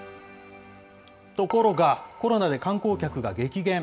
ところが、コロナで観光客が激減。